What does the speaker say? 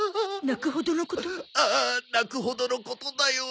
泣くほどのことだよ！